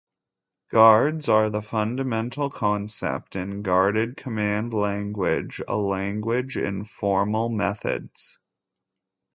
Guards are the fundamental concept in Guarded Command Language, a language in formal methods.